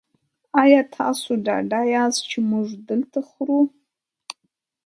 ایا تاسو ډاډه یاست چې موږ دلته خورو؟